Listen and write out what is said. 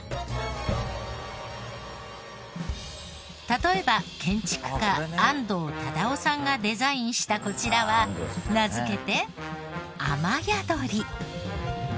例えば建築家安藤忠雄さんがデザインしたこちらは名付けてあまやどり。